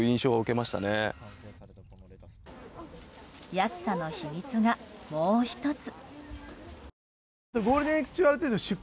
安さの秘密が、もう１つ。